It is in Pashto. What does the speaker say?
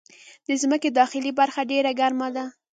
د مځکې داخلي برخه ډېره ګرمه ده.